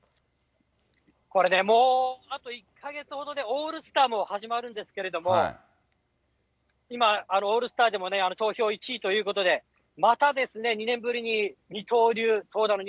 これね、もうあと１か月ほどでオールスターも始まるんですけれども、今、オールスターでもね、投票１位ということで、またですね、２年ぶりに二刀流、投打の